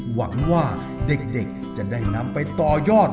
หวังว่าเด็กจะได้นำไปต่อยอด